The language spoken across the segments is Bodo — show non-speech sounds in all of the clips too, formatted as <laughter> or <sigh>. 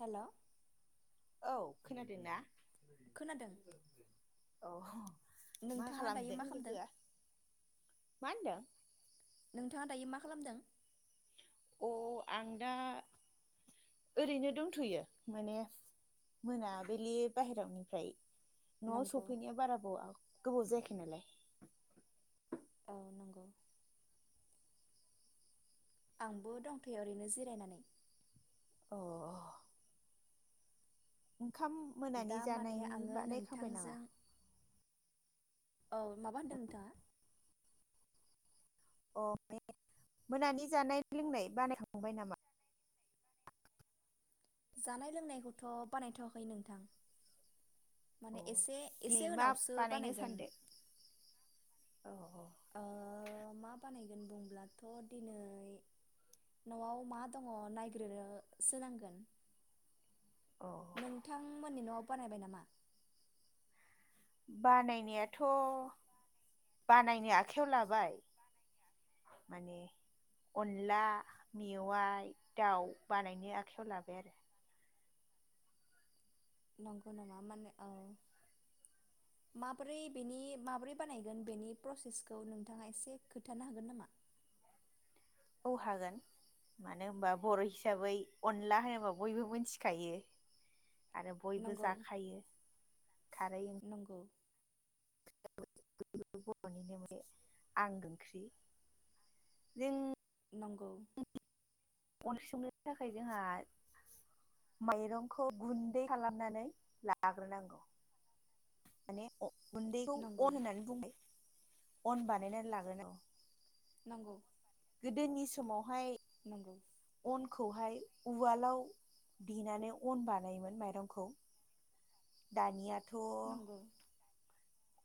हेलौ। औ खोनादोंना। खोनादों। अ। नोंथाङा दायो मा खामदों। मा ओनदो। नोंथाङा दायो मा खालामदों। अ आं दा ओरैनो दंथयो माने मोनाबिलि बाहेरायावनिफ्राय। नआव नंगौ सौफैनाया बारा बावा। गोबाव जायाखि नालाय। औ नंगौ। आंबो दंथयो ओरैनो जिरायनानै। अ। ओंखाम मोनानि दा माने जानायनि आङो बानायखांबाय नामा। नोंथांजों औ माबा होनदों नोंथाङा। अ मोनानि जानाय लोंनाय बानायखांबाय नामा। जानाय लोंनायखौथ बानायथवाखै नोंथां। अ माने एसे दिनै एसे मा उनावसो बानायनो बानायगोन। सानदों औ औ ओ मा बानायगोन बुंब्लाथ दिनै नआव मा दङ नायग्रोनोसो नांगोन। औ नोंथांमोननि न। बानायबाय नामा। बानायनायाथ बानायनो आखाइायाव लाबाय माने अनला मेवाइ दाउ बानायनो आखाइायाव लाबाय आरो। नंगौ नामा माने ओ माब्रै बेनि माबोरै बानायगोन बेनि प्रसेसखौ नोंथाङा एसे खोथानो हागोन नामा। औ हागोन मानो होनबा बर हिसाबै अनला होनोबा बयबो मिथिखायो। आरो बयबो नंगौ जाखायो खारै ओंख्रि। नंगौ बरनिनो <inaudible> आगो ओंख्रि नों नंगौ। अनसुंनो थाखाय जोंहा माइरंखौ गुन्दै खालामनानै लाग्रोनांगौ। माने अ। गुन्दैखौ अन नंगौ होन्नानै बुंबाय। अन बानायनानै लागोन औ। नंगौ गोदोनि समावहाय नंगौ अनखौहाय उवालाव देनानै अन बानायोमोन माइरंखौ दानिया नंगौ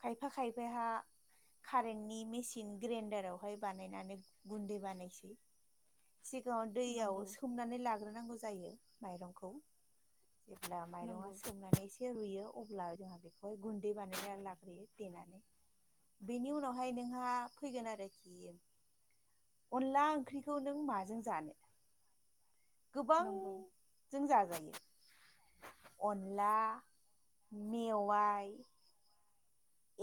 खायफा खायफा हा कारेन्टनि मेसिन ग्रेन्डारावहाय बानायनानै गुन्दै बानायसै सिगाङाव दैयाव नंगौ सोमनानै लाग्रोनांगौ जायो माइरंखौ जेब्ला माइरङा नंगौ सोमनानै एसे रुयो अब्ला जोंहा बेखौ गुन्दै बानायना ला यो देनानै बेनि उनावहाय नोंहा फैगोन आरोखि अनला ओंख्रिखौ नों माजों जानो? गोबां नंगौ जों जाजायो। अनला मेवाइ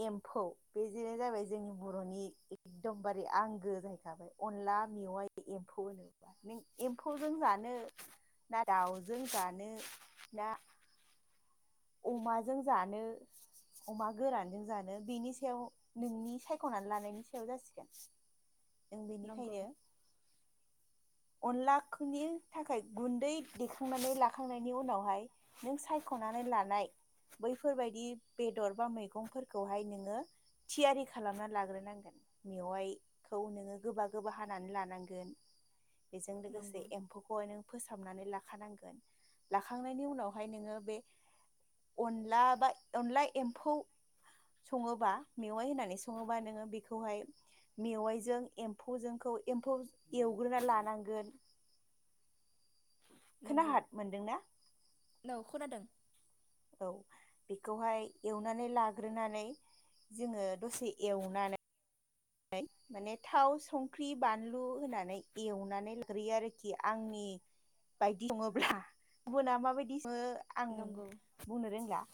एम्फौ बेनो जाबाय जोंनि बर'नि एकदमबारे आंगो जाहैखाबाय अनला मेवाय एम्फौ होनोब्ला नों एम्फौजों जानो ना दाउजों जानो ना अमाजों जानो अमा गोरानजों जानो बेनि सायाव नोंनि सायख'नानै लानायनि सायाव जासिगोन। जों नंगौ बेनिखायनो अनला <unintelligible> नि थाखाय गुन्दै दैखांनानै लाखांनायनि उनावहाय नों सायख'नानै ला नाय बैफोरबायदि बेदर बा मैगंफोरखौहाय नोङो थियारि खालामनानै लाग्रोनांगोन मेवाइखौ नोङो गोबा गोबा हानानै लानांगोन बेजों लोगोसे नंगौ एम्फौखौहाय नों फोसाबनानै ला खानांगोन लाखांनायनि उनावहाय नोङो बे अनला बा अनला एम्फौ सङोबा मेवाइ होननानै सङोबा नोङो बेखौहाय मेवाइजों एम्फौजोंखौ एम्फौ एवग्रोना लानांगोन नंगौ खोनाहाद मोनदोंना औ खोनादों। औ बेखौहाय एवनानै लाग्रोनानै जोङो दसे एवनानै माने थाव संख्रि बानलु होनानै एवनानै लाग्रोयो आरोखि आंनि बायदि सङोब्ला गुबना माबायदि सङो आं नंगौ बुंनो रोंला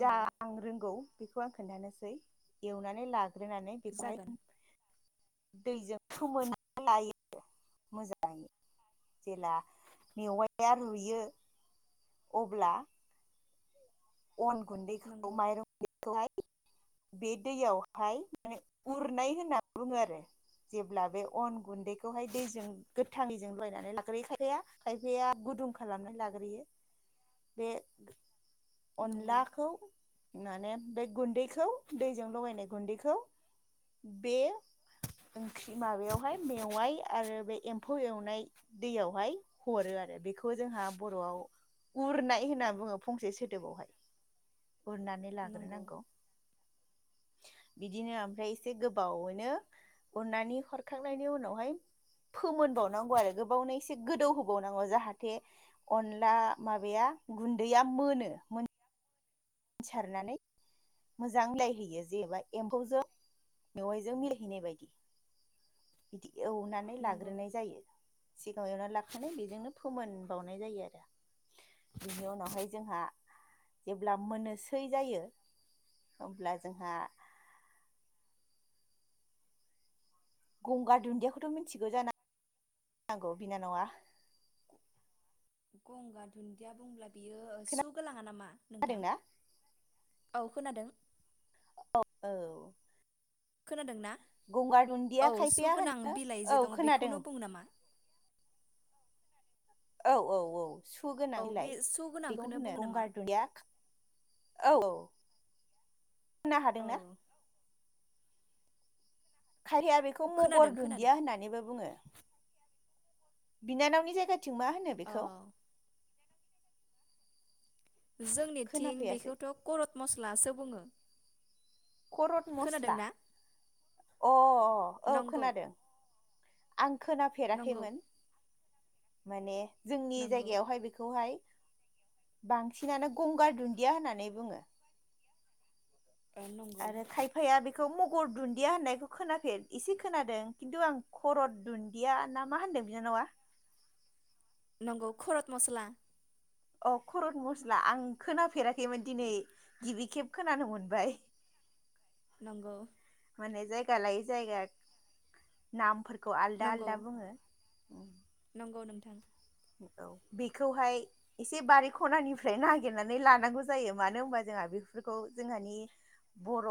जा आं रोंगौ बेखौ आं खोन्थानोसै एवनानै ला ग्रोनानै बेखौहाय जागोन दैजों फोमोनना लायो मोजाङै जेला मेवाइआ रुयो अब्ला अन गुन्दैखौ नंगौ माइरं खौ हाय बे दैयावहाय माने उरनाय होनना बुङो आरो जेब्ला बे अन गुन्दैखौहाय दैजों गोथाङै दैजों लागायनानै लाग्रोयो खायफाया खायफाया गुदुं खालामना लाग्रोयो बे नंगौ अनलाखौ माने बे गुन्दैखौ दैजों लगायनाय गुन्दैखौ बे ओंख्रि माबायावहाय मेवाइ आरो बे एम्फौ एवनाय दैयावहाय हरो आरो बेखौ जोंहा बर'आव उरनाय होनना बुङो फंसे सो दोबावहाय बुरनानै नंगौ लाग्रोनांगौ बिदिनो ओमफ्राय एसे गोबावैनो उरनानै हरखांनायनि उनावहाय फोमोनबावनांगौ आरो गोबावनो एसे गोदौहोबावनांगौ जाहाथे अनला माबाया गुन्दैया मोनो मोन सारनानै मोजां मिलायहैयो जेनेबा एम्फौजों मेवाइजों मिलायहैनाय बायदि बिदि एवनानै नंगौ लाग्रोनाय जायो सिगाङाव एवनानै ला माने बेजोंनो फोमोन बावनाय जायो आरो बेनि उनावहाय जोंहा जेब्ला मोननोसै जायो होमब्ला जोंहा गंगार दुन्दियाखौथ मिथिगौ जाना नांगौ बिनानावा गंगार दुन्दिया बुंब्ला बियो सु गोलाङा नामा नोंथां खोनादोंना औ खोनादों औ औ खोनादों ना? गंगार औ दुन्दिया सु खायफाया गोनां होनो बिलाइ जे औ दङ बेखौनो खोनादों बुङो नामा? औ औ औ औ सु गोनां औ बे बिलाय स' बेखौ गोनांखौनो होनो बुङो नामा गंगार दुदिया औ औ <inaudible> खोना औ हादोंना खारैया बेखौ खोनादों मगर खोनादों दुन्दिया होननानैबो बुङो बिनानावनि जायगा थिं मा होनो औ बेखौ? जोंनिथिं खोनाफैयासै बेखौथ करत मस्लासो बुङो खरत खोनादों मस्ला ना अ औ नंगौ खोनादों आं नंगौ खोनाफेराखैमोन माने जोंनि नंगौ जायगायावहाय बेखौहाय बांसिनानो गंगार दुन्दिया होननानै बुङो ओ नंगौ आरो खायफाया बे बेखौ मगर दुन्दिया होननायखौ खोनाफेर एसे खोनादों खिन्थु आं खरत दुन्दिया ना मा होनदों बिनानावा? नंगो खरत मसला अ खरत मस्ला आं खोनाफेराख खैमोन दिनै गिबि खेब खोनानो मोनबाय नंगौ माने जायगा लायै जायगा नाम फोरखौ आलदा नंगौ आलदा बुङो। नंगौ नोंथां। औ बेखौहाय एसे बारि खनानिफ्राय नागिरनानै लानांगौ जायो मानो होनबा जोंहा बेफोरखौ जोंहानि बर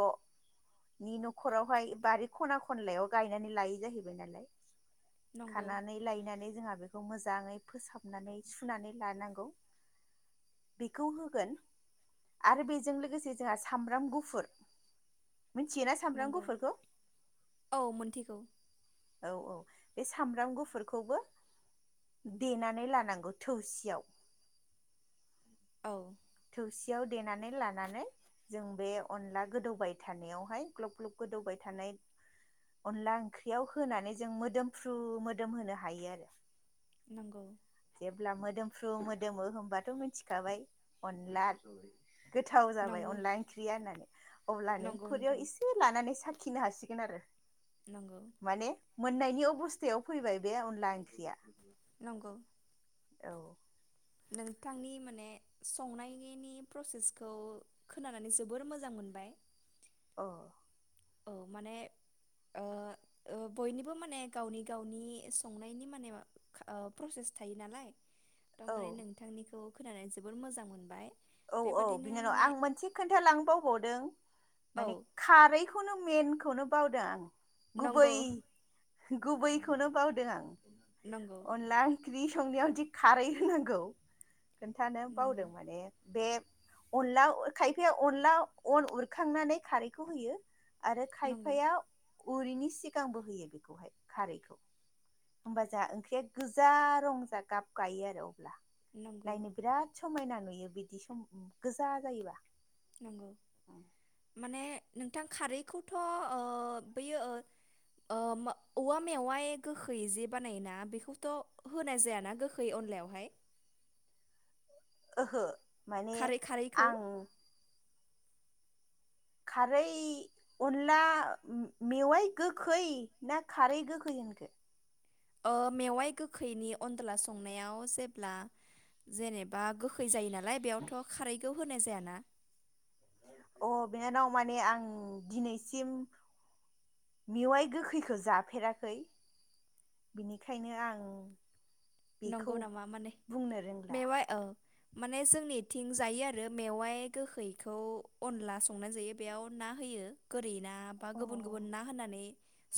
नि नखरावहाय बारि खना खनलायाव गायनानै लायै जाहैबाय नालाय। नंगौ खानानै लायनानै जोंहा बेखौ मोजाङै- फोसाबनानै सुनानै लानांगौ बेखौ होगोन आरो बेजों लोगोसे जोंहा सामब्राम गुफुर मिथियोना सामब्राम नंगौ गुफुरफोरखौ? औ मोनथिगौ औ औ बे सामब्राम गुफुरखौबो देनानै लानांगौ थोबसियाव। औ थोबसियाव देनानै लानानै जों बे अनला गोदौबाय थानायावहाय ग्लब ग्लब गोदौबाय थानाय अनला ओंख्रियाव होनानै जों मोदोमफ्रु मोदोम होनो हायो आरो। नंगौ जेब्ला मोदोमफ्रु मोदोमो होमबाथ मिथिखाबाय अनला गोथाव जाबाय नंगौ अनला ओंख्रिया होननानै। अब्लानो नंगौ नोंथां खुरियाव एसे लानानै सा खिनो हासिगोन आरो। नंगौ माने मोननायनि अबस्थायाव फैबाय बे अनला ओंख्रिया। नंगौ औ नोंथांनि माने संनायनि नि प्रसेसखौ खोनानानै जोबोर मोजां मोनबाय। अ औ माने ओ ओ बयनिबो माने गावनि गावनि संनायनि माने ओ प्रसेस थायो नालाय तो औ माने नोंथांनिखौ- खोनानानै जोबोर मोजां मोनबाय। औ औ बेबादिनो बिनानाव माने आं मोनसे खोन्थालांनो बावबावदों औ माने खारैखौनो मेन खौनो बावदों आं। नंगौ गुबै गुबैखौनो बावदों आं। नंगौ अनला ओं ख्रि संनायाव दि खारै होनांगौ। खोन्थानो नंगौ बावदों माने बे अनला अ खायफाया अनला अन उरखांनानै खारैखौ होयो। आरो नंगौ खायफाया उरिनि सिगांबो होयो बेखौहाय खारैखौ होमबा जोंहा ओंख्रिया गोजा रं जा गाब गायो आरो औ अब्ला नंगौ नायनो बिराद समायना नुयो। बियो <unintelligible> बिदि सम गोजा जायोबा नंगौ माने नोंथां खारैखौथ' ओ बैयो ओ ओ औवा मेवाय गोखै जे बानायोना बेखौथ' होनाय जायाना गोखै अनलायावहाय। ओहो माने खारै खारैखौ आं खारै अनला मेवाइ गोखै ना खारै गोखै होनखो? ओ मेवाइ गोखैनि अनदला संनायाव जेब्ला जेनेबा गोखै जायो ना लाय बेयावथ' खारै खौ होनाय जायाना? अ बिनानाव माने आं दिनैसिम मेवाइ गोखैखो जाफेराखै बिनिखायनो आं बेखौ नंगौ नामा माने बुंनो रोंला मेवाइ औ माने जोंनिथिं जायो आरो मेवाइ गोखैखौ अनला संनानै जायो बेयाव ना होयो गोरि ना बा अ गुबुन गुबुन ना होननानै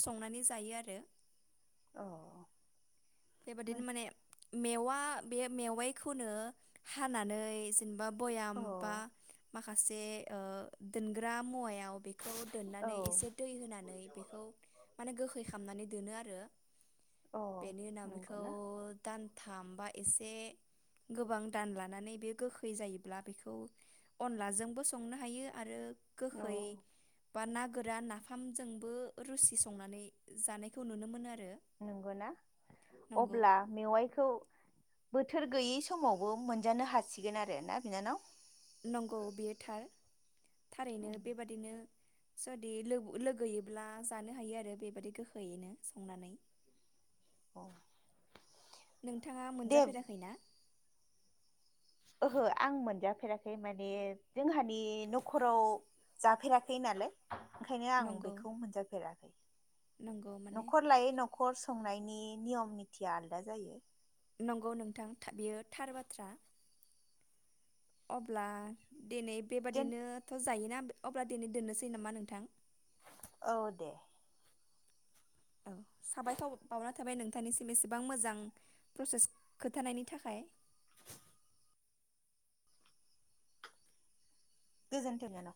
संनानै जायो आरो। औ बेबादिनो माने मेवा बे मेवाइखौनो हानानै जेनेबा बयाम अ बा मा खासे ओ दोनग्रा मुवाया औ बेखौ दोननानै औ एसे दै होनानै बेखौ माने गोखै खामनानै दोनो आरो। अ बेनि उनाव बेखौ नंगौना दान थामबा एसे गोबां दान लानानै बे गोखै जायोब्ला बेखौ अनलाजोंबो संनो हायो आरो औ गोखै बा ना गोरान नाफामजोंबो रुसि संनानै जानायखौ नुनो मोनो आ नंगौना? अब्ला मेवाइखौ बोथोर गैयै समावबो मोनजानो हासिगोन आरो ना बिनानाव? नंगौ बेयो थार थारैनो बेबादिनो जुदि लोब लोगोयोब्ला जानो हायो आरो बेबादि गोखैयैनो संनानै औ नोंथाङा मोनजाफेराखै ना? ओहो आं मोनजाफेराखै माने जोंहानि न'खराव जाफेराखै नालाय। ओंखायनो आं नंगौ बेखौ मोनजाफेराखै। नंगौ माने नखर लायै नखर संनायनि नियम निथिया आलदा जायो। नंगौ नोंथां बियो थार बाथ्रा। अब्ला। दिनै दोन बेबादिनोथ जायोना अब्ला दिनै दोननोसै नामा नोंथां? औ दे। औ साबायखर बावनाय थाबाय नोंथांनिसिम एसेबां मोजां प्रसेस खोथानायनि थाखाय। गोजोनथों नोंथां।